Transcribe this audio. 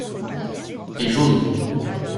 Les jaunes.